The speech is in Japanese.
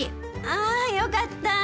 あよかった。